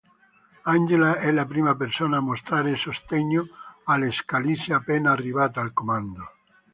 Angela è la prima persona a mostrare sostegno alla Scalise appena arrivata al comando.